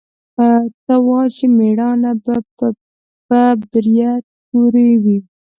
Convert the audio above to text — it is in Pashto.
ته وا چې مېړانه به په برېت پورې وي.